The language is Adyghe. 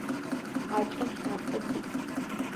Хакӏэ лъапӏэ тиӏ.